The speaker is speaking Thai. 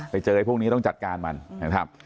ไปเจอพวกนี้ต้องจัดการมันนะครับ